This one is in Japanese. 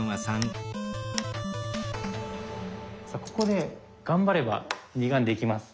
さあここで頑張れば二眼できます。